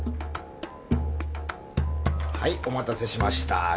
はいお待たせしました。